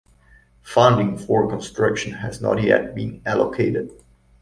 Funding for construction has not yet been allocated.